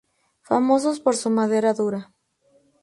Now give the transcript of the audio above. Famosos por su madera dura.